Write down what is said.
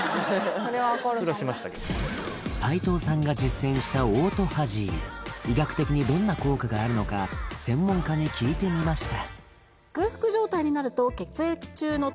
それは怒るかも斎藤さんが実践したオートファジー医学的にどんな効果があるのか専門家に聞いてみました